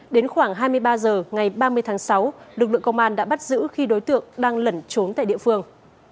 đến khoảng hai mươi ba h ngày ba mươi tháng sáu lực lượng công an đã bắt giữ khi đối tượng đang lẩn trốn tại địa phương